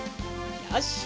よし！